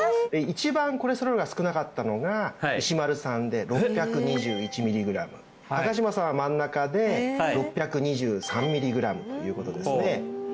一番コレステロールが少なかったのが石丸さんで６２１ミリグラム高島さんは真ん中で６２３ミリグラムということですね